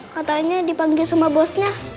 katanya dipanggil sama bosnya